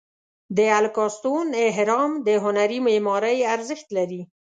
د الکاستون اهرام د هنري معمارۍ ارزښت لري.